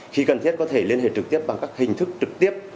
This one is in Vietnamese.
khi cần thiết có thể liên hệ trực tiếp bằng các hình thức trực tiếp